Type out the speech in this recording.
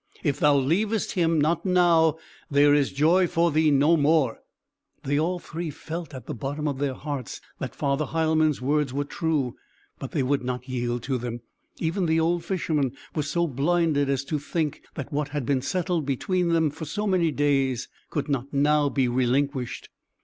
If thou leavest him not now, there is joy for thee no more." They all three felt at the bottom of their hearts that Father Heilmann's words were true but they would not yield to them. Even the old Fisherman was so blinded as to think that what had been settled between them for so many days, could not now be relinquished.